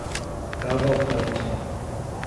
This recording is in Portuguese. Cavalcante